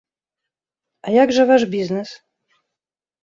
А як жа ваш бізнес?